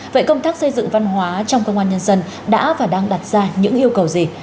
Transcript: vậy công tác xây dựng văn hóa trong công an nhân dân đã và đang đặt ra những yêu cầu gì